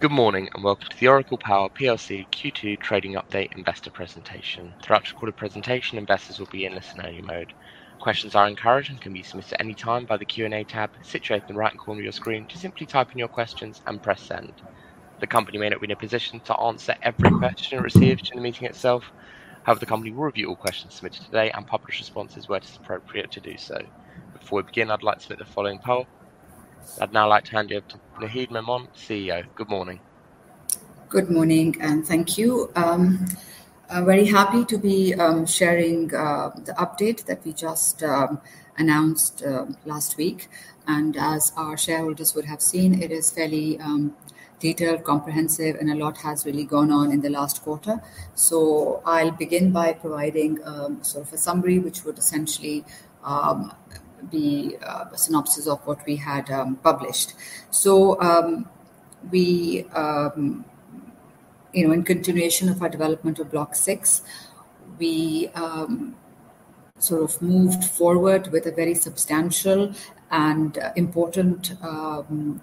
Good morning, and welcome to the Oracle Power PLC Q2 trading update investor presentation. Throughout the quarter presentation, investors will be in listen only mode. Questions are encouraged and can be submitted at any time by the Q&A tab situated in the right corner of your screen. Just simply type in your questions and press send. The company may not be in a position to answer every question received in the meeting itself. However, the company will review all questions submitted today and publish responses where it is appropriate to do so. Before we begin, I'd like to submit the following poll. I'd now like to hand you over to Naheed Memon, CEO. Good morning. Good morning, and thank you. I'm very happy to be sharing the update that we just announced last week. As our shareholders would have seen, it is fairly detailed, comprehensive, and a lot has really gone on in the last quarter. I'll begin by providing sort of a summary which would essentially be a synopsis of what we had published. We you know, in continuation of our development of Block VI, we sort of moved forward with a very substantial and important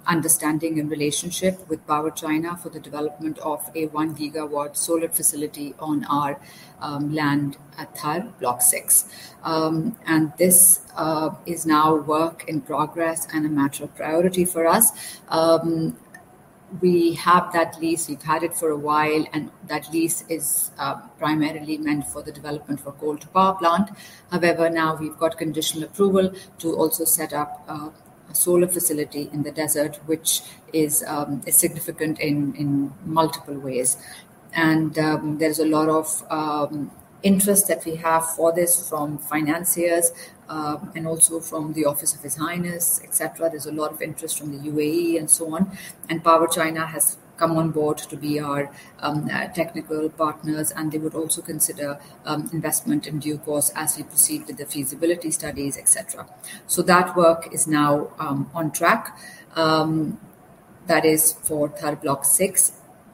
understanding and relationship with PowerChina for the development of a 1 gigawatt solar facility on our land at Thar, Block VI. This is now work in progress and a matter of priority for us. We have that lease, we've had it for a while, and that lease is primarily meant for the development for coal to power plant. However, now we've got conditional approval to also set up a solar facility in the desert, which is significant in multiple ways. There's a lot of interest that we have for this from financiers and also from the Office of His Highness, et cetera. There's a lot of interest from the UAE and so on, and PowerChina has come on board to be our technical partners, and they would also consider investment in due course as we proceed with the feasibility studies, et cetera. That work is now on track. That is for Thar Block VI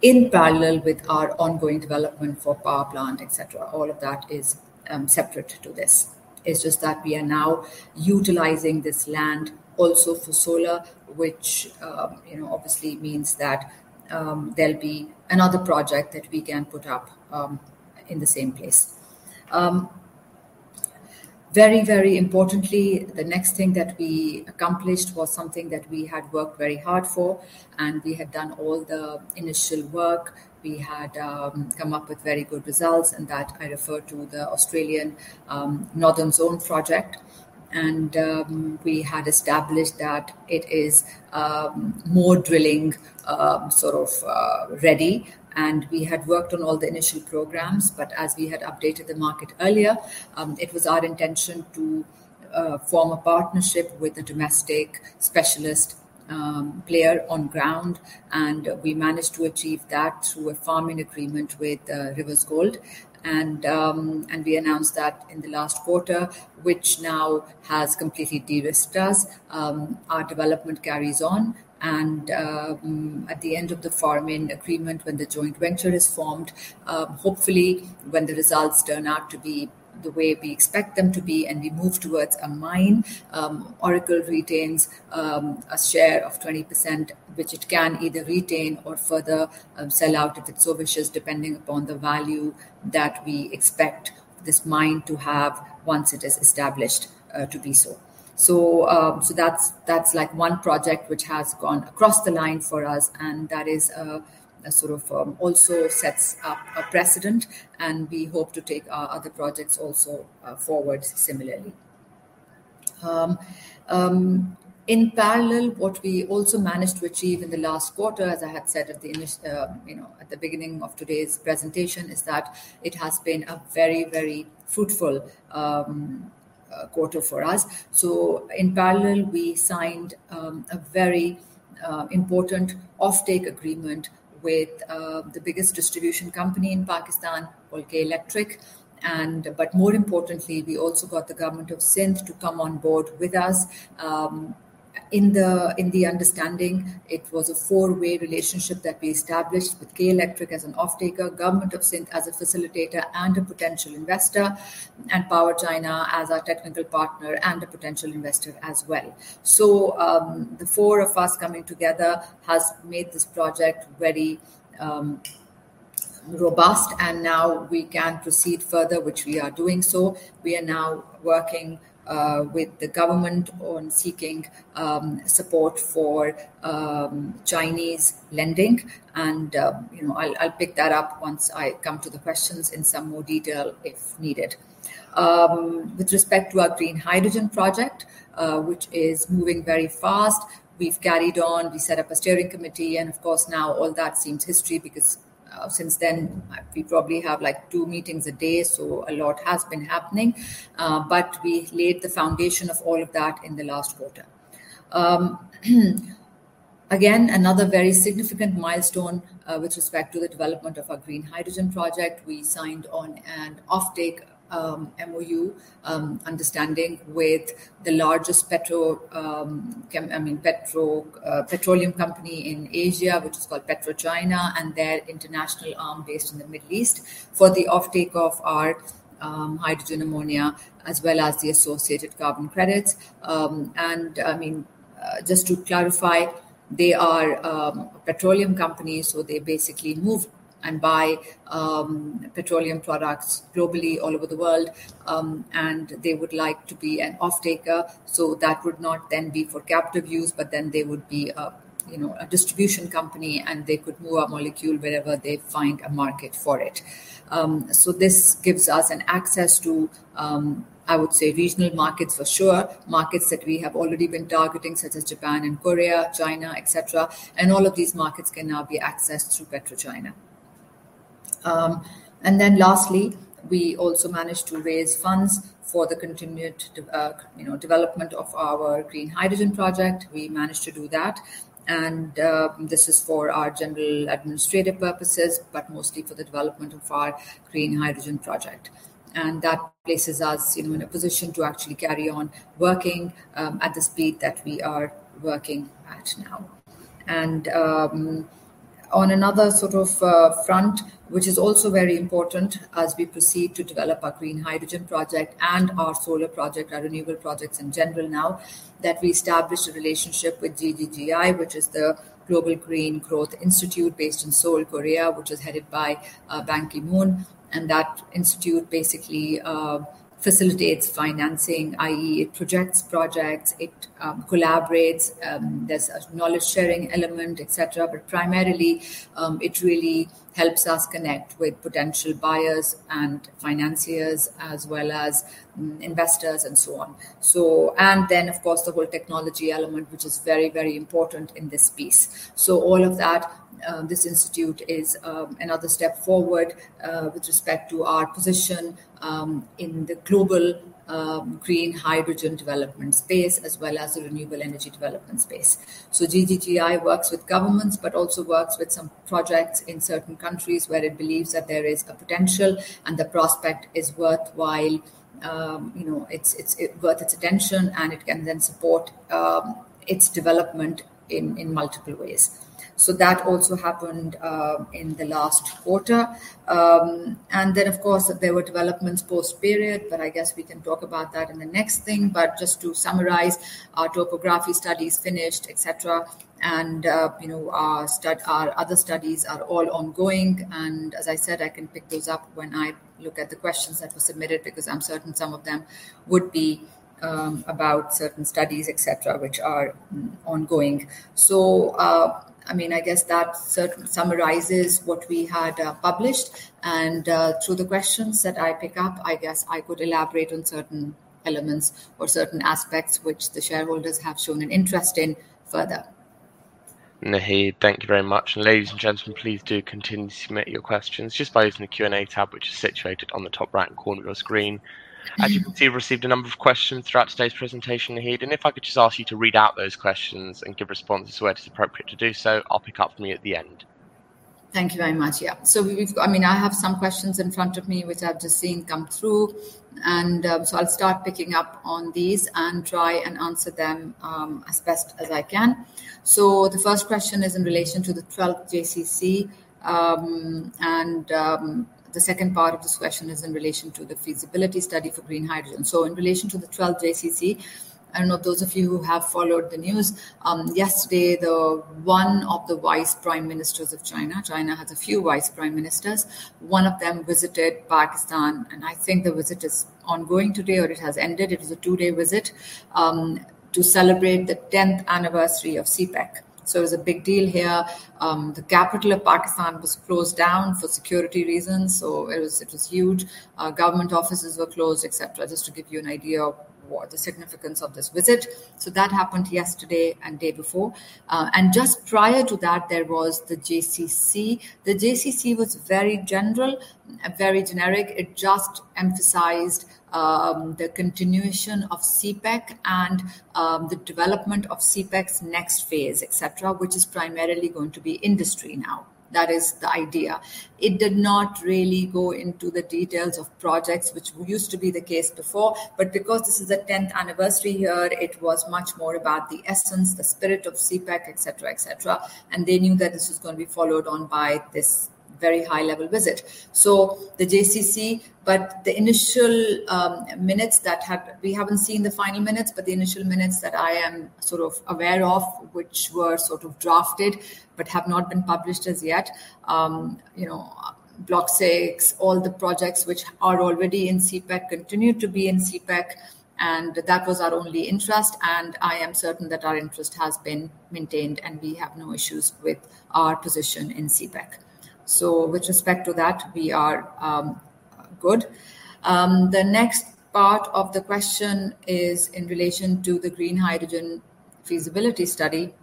in parallel with our ongoing development for power plant, et cetera. All of that is separate to this. It's just that we are now utilizing this land also for solar, which, you know, obviously means that, there'll be another project that we can put up in the same place. Very, very importantly, the next thing that we accomplished was something that we had worked very hard for, and we had done all the initial work. We had come up with very good results, and that I refer to the Australian Northern Zone project. We had established that it is more drill-ready, and we had worked on all the initial programs, but as we had updated the market earlier, it was our intention to form a partnership with a domestic specialist player on ground, and we managed to achieve that through a farm-in agreement with Riversgold. We announced that in the last quarter, which now has completely de-risked us. Our development carries on and at the end of the farm-in agreement when the joint venture is formed, hopefully when the results turn out to be the way we expect them to be and we move towards a mine, Oracle retains a share of 20% which it can either retain or further sell out if it so wishes depending upon the value that we expect this mine to have once it is established to be so. That's like one project which has gone across the line for us and that is a sort of also sets up a precedent and we hope to take our other projects also forward similarly. In parallel, what we also managed to achieve in the last quarter, as I had said, you know, at the beginning of today's presentation, is that it has been a very, very fruitful quarter for us. In parallel, we signed a very important offtake agreement with the biggest distribution company in Pakistan, called K-Electric. But more importantly, we also got the Government of Sindh to come on board with us. In the understanding it was a four-way relationship that we established with K-Electric as an offtaker, Government of Sindh as a facilitator and a potential investor, and PowerChina as our technical partner and a potential investor as well. The four of us coming together has made this project very robust and now we can proceed further which we are doing so. We are now working with the government on seeking support for Chinese lending and, you know, I'll pick that up once I come to the questions in some more detail if needed. With respect to our Green Hydrogen project, which is moving very fast, we've carried on. We set up a steering committee and of course now all that seems like history because since then we probably have like two meetings a day, so a lot has been happening. But we laid the foundation of all of that in the last quarter. Again, another very significant milestone with respect to the development of our Green Hydrogen project. We signed on an offtake, MoU, understanding with the largest petroleum company in Asia, which is called PetroChina and their international arm based in the Middle East for the offtake of our, hydrogen ammonia as well as the associated carbon credits. I mean, just to clarify, they are petroleum companies, so they basically move and buy petroleum products globally all over the world. They would like to be an off-taker, so that would not then be for captive use, but then they would be a, you know, a distribution company, and they could move a molecule wherever they find a market for it. This gives us an access to, I would say regional markets for sure, markets that we have already been targeting, such as Japan and Korea, China, et cetera. All of these markets can now be accessed through PetroChina. Lastly, we also managed to raise funds for the continued you know, development of our Green Hydrogen project. We managed to do that. This is for our general administrative purposes, but mostly for the development of our Green Hydrogen project. That places us, you know, in a position to actually carry on working at the speed that we are working at now. On another sort of front, which is also very important as we proceed to develop our Green Hydrogen project and our solar project, our renewable projects in general now, that we established a relationship with GGGI, which is the Global Green Growth Institute based in Seoul, South Korea, which is headed by Ban Ki-moon. That institute basically facilitates financing, i.e., it projects, it collaborates, there's a knowledge-sharing element, et cetera. Primarily, it really helps us connect with potential buyers and financiers as well as investors and so on. Then, of course, the whole technology element, which is very, very important in this piece. All of that, this institute is another step forward with respect to our position in the global green hydrogen development space as well as the renewable energy development space. GGGI works with governments but also works with some projects in certain countries where it believes that there is a potential and the prospect is worthwhile. You know, it's worth its attention, and it can then support its development in multiple ways. That also happened in the last quarter. Of course there were developments post-period, but I guess we can talk about that in the next thing. Just to summarize, our topographic study is finished, et cetera. You know, our other studies are all ongoing. As I said, I can pick those up when I look at the questions that were submitted because I'm certain some of them would be about certain studies, et cetera, which are ongoing. I mean, I guess that certainly summarizes what we had published. Through the questions that I pick up, I guess I could elaborate on certain elements or certain aspects which the shareholders have shown an interest in further. Naheed, thank you very much. Ladies and gentlemen, please do continue to submit your questions just by using the Q&A tab which is situated on the top right corner of your screen. As you can see, we've received a number of questions throughout today's presentation, Naheed. If I could just ask you to read out those questions and give responses where it is appropriate to do so. I'll pick up from you at the end. Thank you very much. Yeah. I mean, I have some questions in front of me which I've just seen come through, and so I'll start picking up on these and try and answer them as best as I can. The first question is in relation to the 12th JCC. The second part of this question is in relation to the feasibility study for green hydrogen. In relation to the 12th JCC, I don't know those of you who have followed the news. Yesterday, one of the vice prime ministers of China has a few vice prime ministers, one of them visited Pakistan, and I think the visit is ongoing today or it has ended. It was a two-day visit to celebrate the 10th anniversary of CPEC. It was a big deal here. The capital of Pakistan was closed down for security reasons. It was huge. Government offices were closed, et cetera, just to give you an idea of what the significance of this visit. That happened yesterday and day before. Just prior to that, there was the JCC. The JCC was very general, very generic. It just emphasized the continuation of CPEC and the development of CPEC's next phase, et cetera, which is primarily going to be industry now. That is the idea. It did not really go into the details of projects which used to be the case before, but because this is a tenth anniversary year, it was much more about the essence, the spirit of CPEC, et cetera, et cetera. They knew that this was gonna be followed on by this very high-level visit. The JCC, but the initial minutes. We haven't seen the final minutes, but the initial minutes that I am sort of aware of which were sort of drafted but have not been published as yet, Block VI, all the projects which are already in CPEC continued to be in CPEC, and that was our only interest, and I am certain that our interest has been maintained, and we have no issues with our position in CPEC. With respect to that, we are good. The next part of the question is in relation to the green hydrogen feasibility study,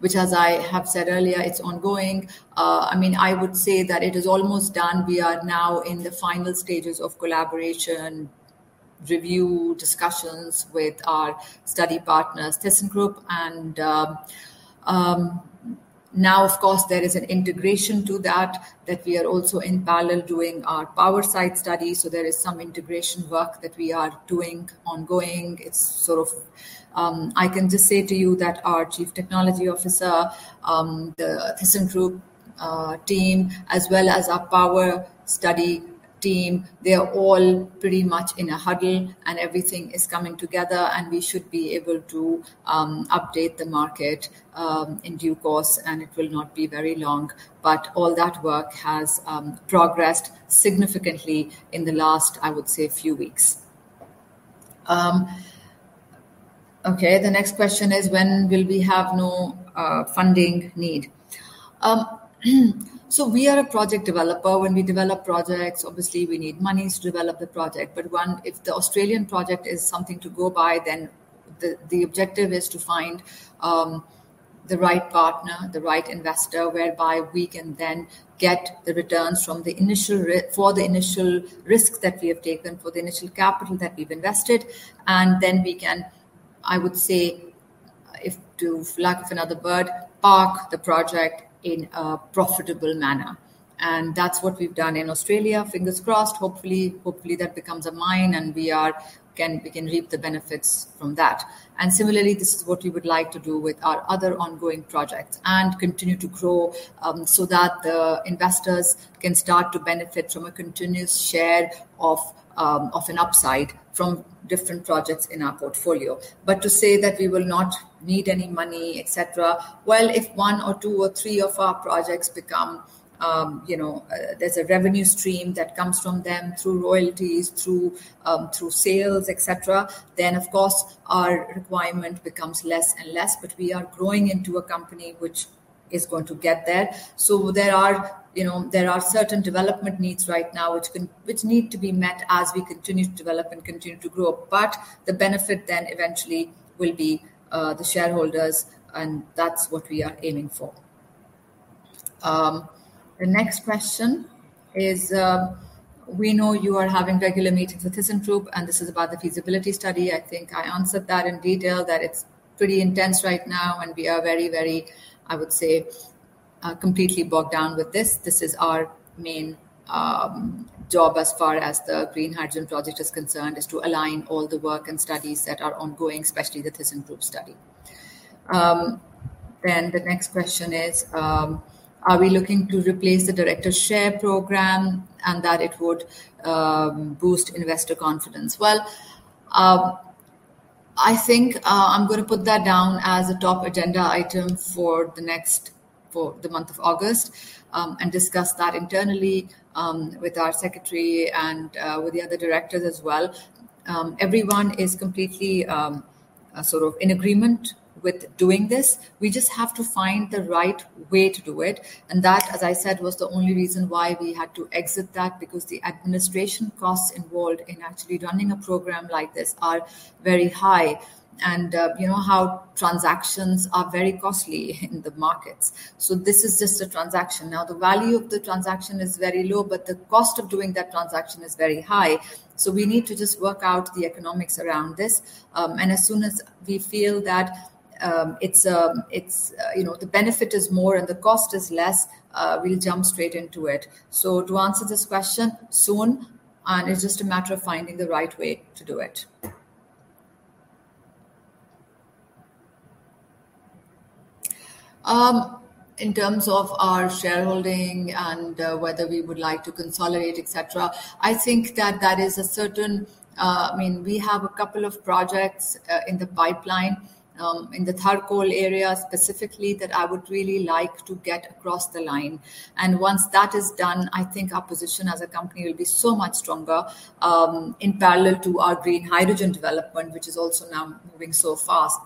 which as I have said earlier, it's ongoing. I mean, I would say that it is almost done. We are now in the final stages of collaboration, review, discussions with our study partner, thyssenkrupp. Now of course there is an integration to that we are also in parallel doing our power site study. There is some integration work that we are doing ongoing. It's sort of. I can just say to you that our chief technology officer, the thyssenkrupp Uhde team as well as our Power study team, they are all pretty much in a huddle, and everything is coming together, and we should be able to update the market in due course, and it will not be very long. All that work has progressed significantly in the last, I would say, few weeks. Okay, the next question is: when will we have no funding need? We are a project developer. When we develop projects, obviously we need money to develop the project. But one... If the Australian project is something to go by, then the objective is to find the right partner, the right investor, whereby we can then get the returns from the initial risks that we have taken, for the initial capital that we've invested, and then we can, I would say, for lack of another word, park the project in a profitable manner. That's what we've done in Australia. Fingers crossed, hopefully that becomes a mine, and we can reap the benefits from that. Similarly, this is what we would like to do with our other ongoing projects and continue to grow, so that the investors can start to benefit from a continuous share of an upside from different projects in our portfolio. To say that we will not need any money, et cetera, well, if one or two or three of our projects become, you know, there's a revenue stream that comes from them through royalties, through sales, et cetera, then of course our requirement becomes less and less. We are growing into a company which is going to get there. There are, you know, certain development needs right now which need to be met as we continue to develop and continue to grow. The benefit then eventually will be the shareholders, and that's what we are aiming for. The next question is: We know you are having regular meetings with thyssenkrupp, and this is about the feasibility study. I think I answered that in detail, that it's pretty intense right now, and we are very, very. I would say, completely bogged down with this. This is our main job as far as the Green Hydrogen project is concerned, is to align all the work and studies that are ongoing, especially the thyssenkrupp study. The next question is: Are we looking to replace the director share program, and that it would boost investor confidence? I think, I'm gonna put that down as a top agenda item for the month of August, and discuss that internally with our secretary and with the other directors as well. Everyone is completely, sort of in agreement with doing this. We just have to find the right way to do it. That, as I said, was the only reason why we had to exit that, because the administration costs involved in actually running a program like this are very high and, you know how transactions are very costly in the markets. This is just a transaction. Now, the value of the transaction is very low, but the cost of doing that transaction is very high, so we need to just work out the economics around this. As soon as we feel that it's you know, the benefit is more and the cost is less, we'll jump straight into it. To answer this question, soon, and it's just a matter of finding the right way to do it. In terms of our shareholding and whether we would like to consolidate, et cetera, I think that is a certain. I mean, we have a couple of projects in the pipeline in the Thar Coal area specifically, that I would really like to get across the line. Once that is done, I think our position as a company will be so much stronger in parallel to our green hydrogen development, which is also now moving so fast.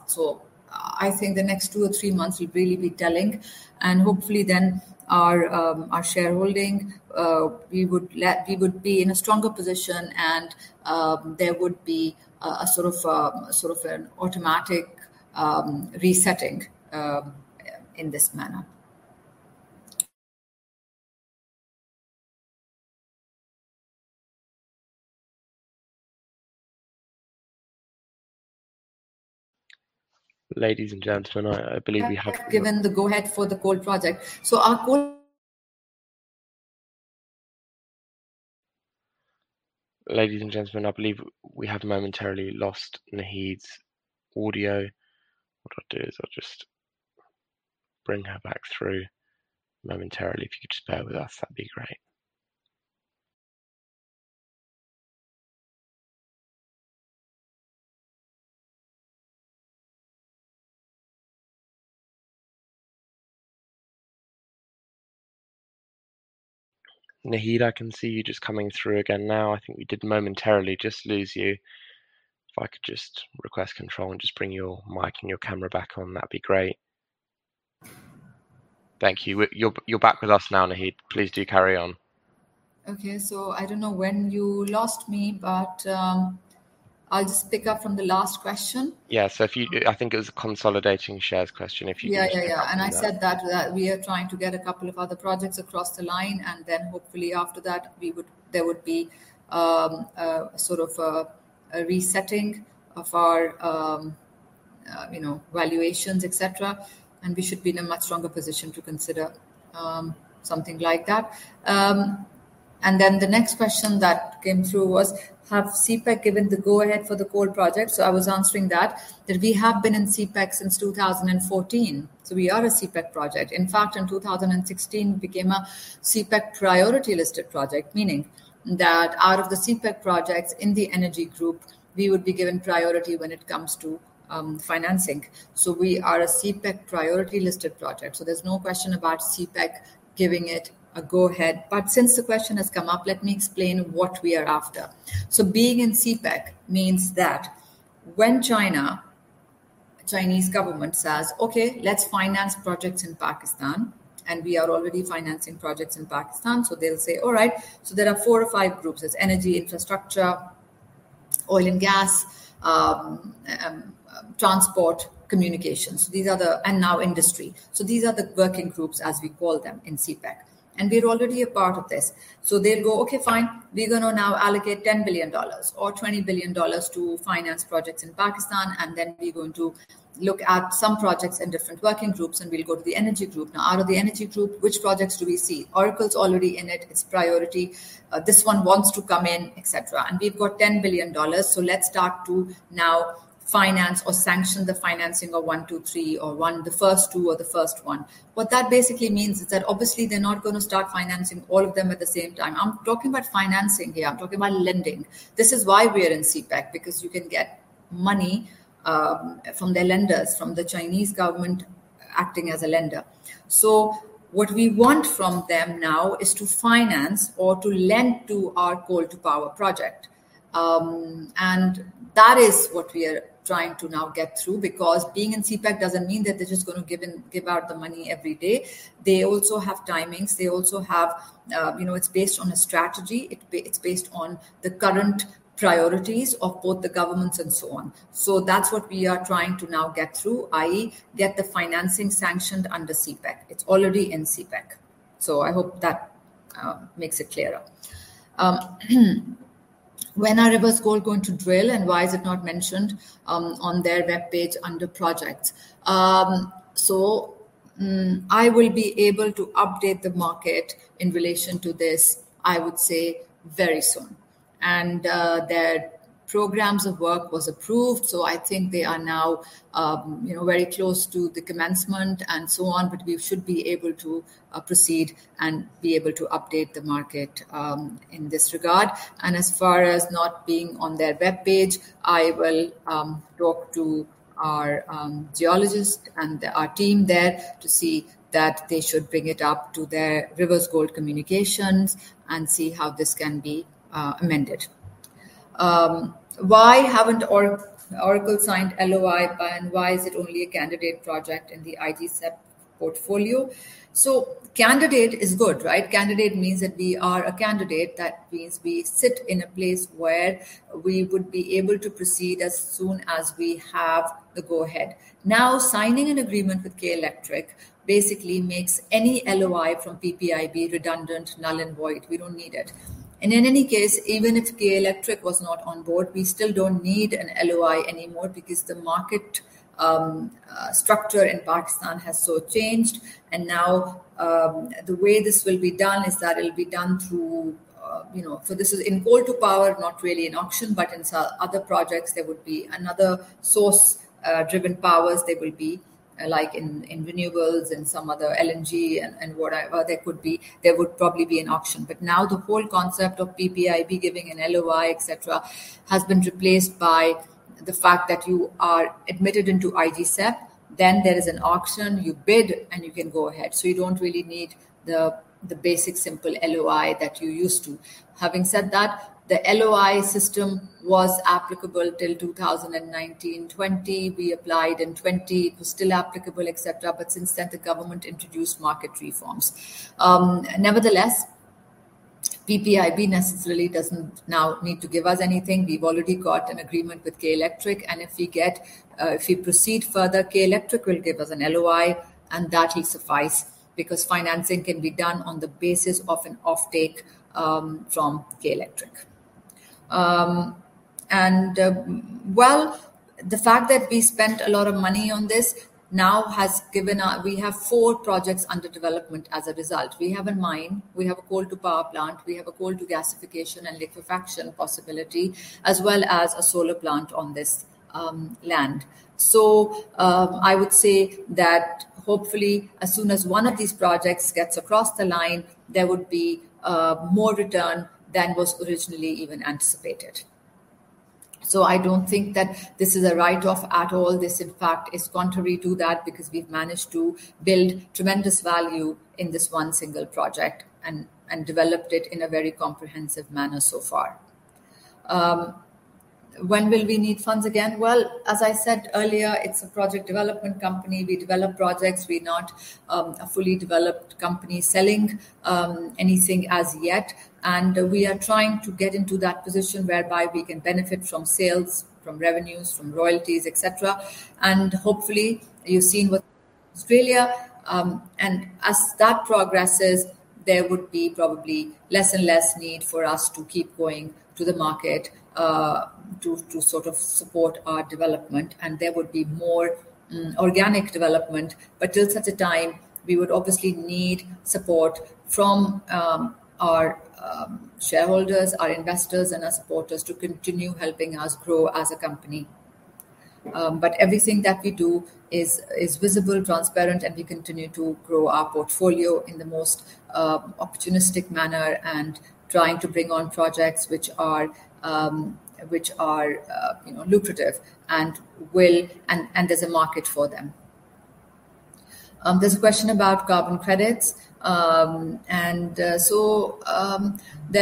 I think the next two or three months will really be telling and hopefully then our shareholding we would be in a stronger position and there would be a sort of an automatic resetting in this manner. Ladies and gentlemen, I believe we have. We have been given the go-ahead for the coal project. Our coal... Ladies and gentlemen, I believe we have momentarily lost Naheed's audio. What I'll do is I'll just bring her back through momentarily. If you could just bear with us, that'd be great. Naheed, I can see you just coming through again now. I think we did momentarily just lose you. If I could just request control and just bring your mic and your camera back on, that'd be great. Thank you. You're back with us now, Naheed. Please do carry on. Okay. I don't know when you lost me, but, I'll just pick up from the last question. Yeah. If you do, I think it was a consolidating shares question, if you could- Yeah, yeah. Speak to that. I said that we are trying to get a couple of other projects across the line, and then hopefully after that, there would be a sort of a resetting of our you know valuations, et cetera. We should be in a much stronger position to consider something like that. The next question that came through was, have CPEC given the go ahead for the coal project? I was answering that we have been in CPEC since 2014. We are a CPEC project. In fact, in 2016, we became a CPEC priority listed project, meaning that out of the CPEC projects in the Energy group, we would be given priority when it comes to financing. We are a CPEC priority listed project, so there's no question about CPEC giving it a go ahead. Since the question has come up, let me explain what we are after. Being in CPEC means that when the Chinese government says, "Okay, let's finance projects in Pakistan," and we are already financing projects in Pakistan, so they'll say, "All right." There are four or five groups. There's Energy, Infrastructure, Oil & Gas, Transport, Communications. And now industry. These are the working groups, as we call them in CPEC. We're already a part of this. They'll go, "Okay, fine. We're gonna now allocate $10 billion or $20 billion to finance projects in Pakistan, and then we're going to look at some projects in different working groups, and we'll go to the Energy group. Now, out of the Energy group, which projects do we see? Oracle's already in it. It's priority. This one wants to come in, et cetera. We've got $10 billion, so let's start to now finance or sanction the financing of one, two, three, or one, the first two or the first one. What that basically means is that obviously they're not gonna start financing all of them at the same time. I'm talking about financing here. I'm talking about lending. This is why we are in CPEC, because you can get money from their lenders, from the Chinese government acting as a lender. What we want from them now is to finance or to lend to our coal to power project. That is what we are trying to now get through because being in CPEC doesn't mean that they're just gonna give out the money every day. They also have timings. You know, it's based on a strategy. It's based on the current priorities of both the governments and so on. That's what we are trying to now get through, i.e., get the financing sanctioned under CPEC. It's already in CPEC. I hope that makes it clearer. When are Riversgold going to drill, and why is it not mentioned on their webpage under projects? I will be able to update the market in relation to this, I would say, very soon. Their programs of work was approved, so I think they are now, you know, very close to the commencement and so on. We should be able to proceed and be able to update the market in this regard. As far as not being on their webpage, I will talk to our geologist and our team there to see that they should bring it up to the Riversgold Communications and see how this can be amended. Why hasn't Oracle signed LOI, and why is it only a candidate project in the IGCEP portfolio? Candidate is good, right? Candidate means that we are a candidate. That means we sit in a place where we would be able to proceed as soon as we have the go ahead. Now, signing an agreement with K-Electric basically makes any LOI from PPIB redundant, null and void. We don't need it. In any case, even if K-Electric was not on board, we still don't need an LOI anymore because the market structure in Pakistan has so changed. Now, the way this will be done is that it'll be done through. This is in coal to power, not really in auction, but in other projects, there would be another source driven powers. There will be, like in renewables and some other LNG and whatever there could be. There would probably be an auction. Now the whole concept of PPIB giving an LOI, et cetera, has been replaced by the fact that you are admitted into IGCEP, then there is an auction, you bid, and you can go ahead. You don't really need the basic simple LOI that you used to. Having said that, the LOI system was applicable till 2019. 2020, we applied, and 2020 it was still applicable, et cetera. Since then, the government introduced market reforms. Nevertheless, PPIB necessarily doesn't now need to give us anything. We've already got an agreement with K-Electric, and if we proceed further, K-Electric will give us an LOI, and that will suffice because financing can be done on the basis of an offtake from K-Electric. Well, the fact that we spent a lot of money on this now has given us. We have four projects under development as a result. We have a mine. We have a coal-to-power plant. We have a coal gasification and liquefaction possibility, as well as a solar plant on this land. I would say that hopefully, as soon as one of these projects gets across the line, there would be more return than was originally even anticipated. I don't think that this is a write-off at all. This, in fact, is contrary to that because we've managed to build tremendous value in this one single project and developed it in a very comprehensive manner so far. When will we need funds again? Well, as I said earlier, it's a project development company. We develop projects. We're not a fully developed company selling anything as yet. We are trying to get into that position whereby we can benefit from sales, from revenues, from royalties, et cetera. Hopefully, you've seen with Australia, and as that progresses, there would be probably less and less need for us to keep going to the market to sort of support our development and there would be more organic development. Till such a time, we would obviously need support from our shareholders, our investors and our supporters to continue helping us grow as a company. Everything that we do is visible, transparent, and we continue to grow our portfolio in the most opportunistic manner and trying to bring on projects which are you know lucrative and there's a market for them. There's a question about carbon credits. There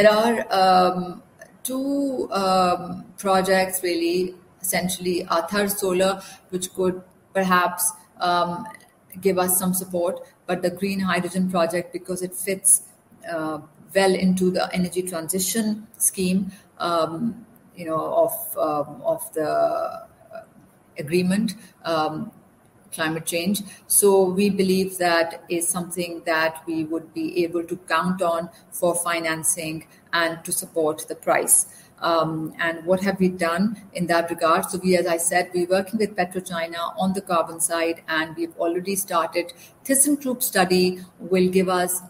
are two projects really, essentially, Thar solar, which could perhaps give us some support, but the Green Hydrogen project because it fits well into the energy transition scheme, you know, of the agreement climate change. We believe that is something that we would be able to count on for financing and to support the price. What have we done in that regard? We, as I said, we're working with PetroChina on the carbon side, and we've already started. Thyssenkrupp study will give us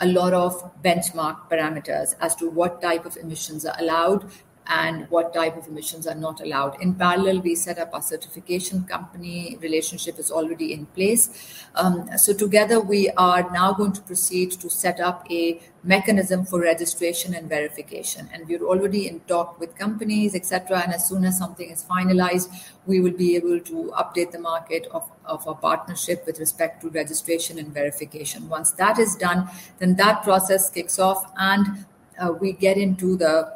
a lot of benchmark parameters as to what type of emissions are allowed and what type of emissions are not allowed. In parallel, we set up a certification company, relationship is already in place. Together we are now going to proceed to set up a mechanism for registration and verification. We're already in talks with companies, et cetera, and as soon as something is finalized, we will be able to update the market of our partnership with respect to registration and verification. Once that is done, that process kicks off and we get into the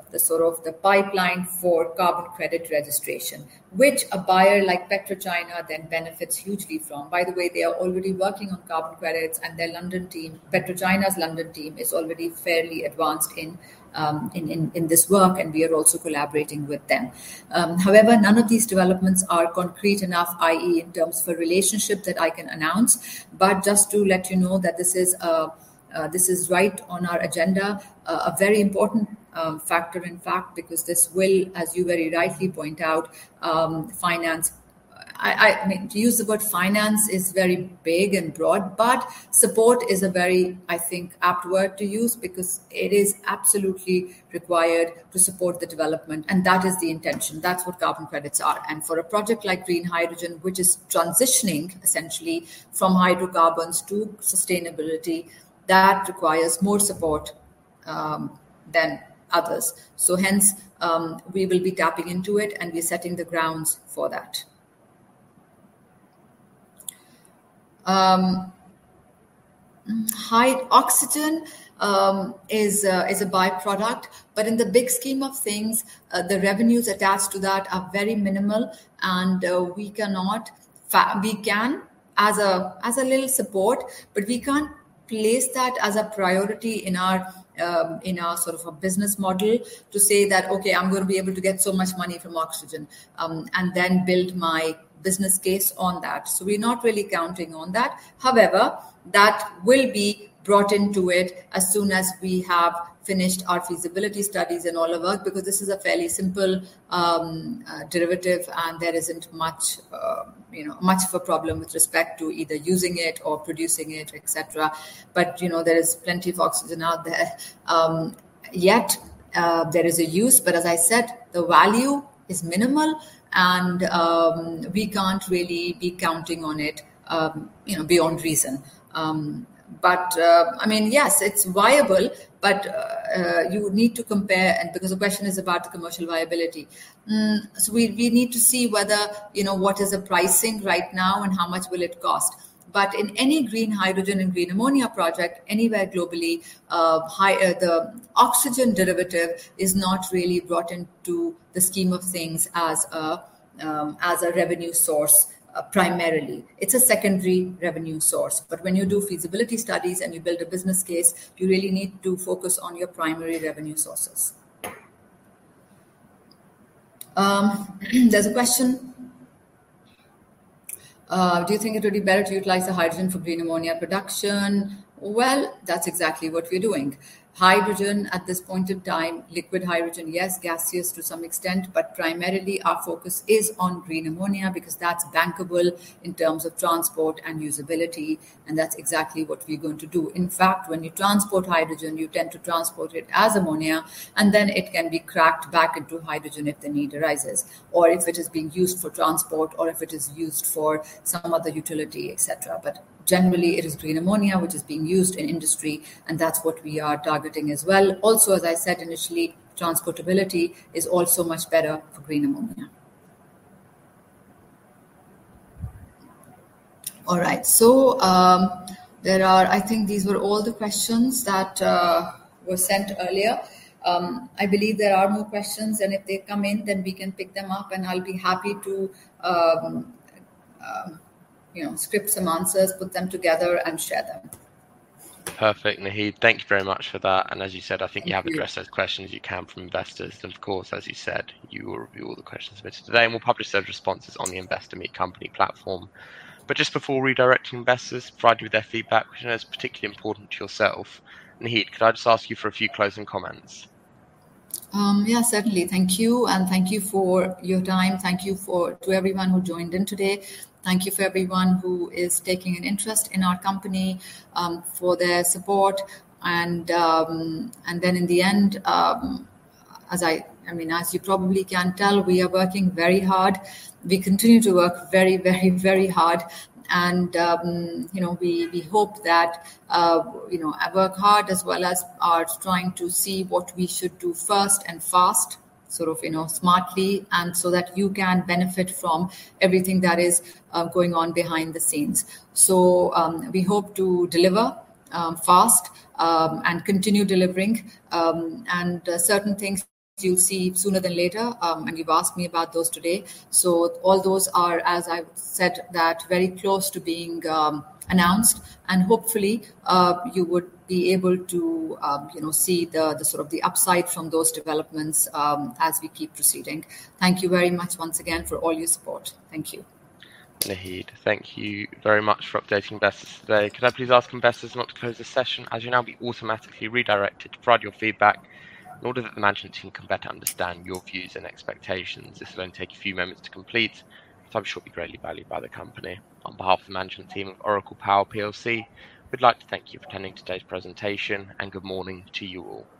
pipeline for carbon credit registration, which a buyer like PetroChina then benefits hugely from. By the way, they are already working on carbon credits and their London team, PetroChina's London team is already fairly advanced in this work, and we are also collaborating with them. However, none of these developments are concrete enough, i.e., in terms of a relationship that I can announce. Just to let you know that this is right on our agenda, a very important factor in fact because this will, as you very rightly point out, finance. I mean, to use the word finance is very big and broad, but support is a very, I think, apt word to use because it is absolutely required to support the development, and that is the intention. That's what carbon credits are. For a project like green hydrogen, which is transitioning essentially from hydrocarbons to sustainability, that requires more support than others. Hence, we will be tapping into it, and we're setting the grounds for that. High oxygen is a by-product, but in the big scheme of things, the revenues attached to that are very minimal and we can as a little support, but we can't place that as a priority in our sort of a business model to say that, "Okay, I'm gonna be able to get so much money from oxygen and then build my business case on that." We're not really counting on that. However, that will be brought into it as soon as we have finished our feasibility studies and all of that because this is a fairly simple derivative and there isn't much you know much of a problem with respect to either using it or producing it, et cetera. You know, there is plenty of oxygen out there. There is a use, but as I said, the value is minimal and we can't really be counting on it, you know, beyond reason. I mean, yes, it's viable, but you need to compare and because the question is about commercial viability. We need to see whether, you know, what is the pricing right now and how much will it cost. In any green hydrogen and Green Ammonia project anywhere globally, the oxygen derivative is not really brought into the scheme of things as a revenue source primarily. It's a secondary revenue source. When you do feasibility studies and you build a business case, you really need to focus on your primary revenue sources. There's a question. Do you think it would be better to utilize the hydrogen for Green Ammonia production? Well, that's exactly what we're doing. Hydrogen at this point in time, liquid hydrogen, yes, gaseous to some extent, but primarily our focus is on Green Ammonia because that's bankable in terms of transport and usability, and that's exactly what we're going to do. In fact, when you transport hydrogen, you tend to transport it as ammonia, and then it can be cracked back into hydrogen if the need arises, or if it is being used for transport or if it is used for some other utility, et cetera. Generally, it is Green Ammonia which is being used in industry, and that's what we are targeting as well. Also, as I said initially, transportability is also much better for Green Ammonia. All right. I think these were all the questions that were sent earlier. I believe there are more questions, and if they come in, then we can pick them up and I'll be happy to, you know, script some answers, put them together and share them. Perfect. Naheed, thank you very much for that. As you said, I think you have addressed those questions you can from investors. Of course, as you said, you will review all the questions submitted today, and we'll publish those responses on the Investor Meet Company platform. Just before redirecting investors to provide you with their feedback, which I know is particularly important to yourself, Naheed, could I just ask you for a few closing comments? Yeah, certainly. Thank you and thank you for your time. Thank you to everyone who joined in today. Thank you to everyone who is taking an interest in our company for their support and then in the end, I mean, as you probably can tell, we are working very hard. We continue to work very hard and you know, we hope that you know, I work hard as well as are trying to see what we should do first and fast, sort of you know, smartly and so that you can benefit from everything that is going on behind the scenes. We hope to deliver fast and continue delivering and certain things you'll see sooner than later and you've asked me about those today. All those are, as I've said, that very close to being announced and hopefully you would be able to, you know, see the sort of upside from those developments as we keep proceeding. Thank you very much once again for all your support. Thank you. Naheed, thank you very much for updating investors today. Could I please ask investors not to close the session, as you'll now be automatically redirected to provide your feedback in order that the management team can better understand your views and expectations. This will only take a few moments to complete, which I'm sure will be greatly valued by the company. On behalf of the management team of Oracle Power PLC, we'd like to thank you for attending today's presentation, and good morning to you all.